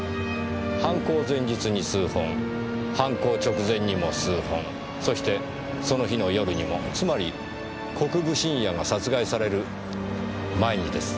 犯行前日に数本犯行直前にも数本そしてその日の夜にもつまり国分信也が殺害される前にです。